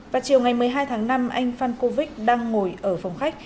vào chiều ngày một mươi hai tháng năm anh phan cô vích đang ngồi ở phòng khách